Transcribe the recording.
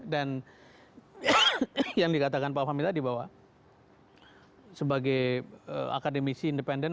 dan yang dikatakan pak fahmi tadi bahwa sebagai akademisi independen